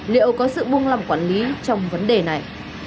liệu có sự buông lòng quản lý trong vấn đề này